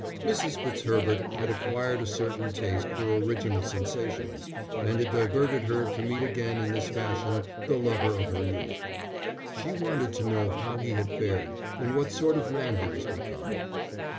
Mrs. Fitzherbert had acquired a certain taste for original sensations, and it diverted her to meet again in this fashion the lover of her youth. She wanted to know how he had fared and what sort of man he was become.